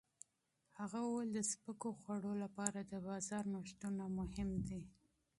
هغه وویل د سپکو خوړو لپاره د بازار نوښتونه مهم دي.